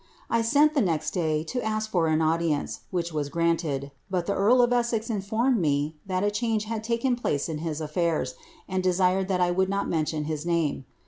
I sent the next day to ask for an audience, which was granted ; but the earl of Elssex informed me that a change had taken place in liis a&irs, and desired that I would not mention his name.